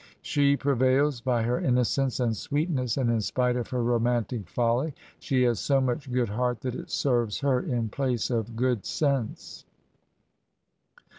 She prevails by her innocence and sweetness, and in spite of her romantic folly she has so much goo(f heart that it serves her in place of good sense.